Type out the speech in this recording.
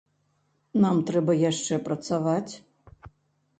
Нам трэба яшчэ працаваць.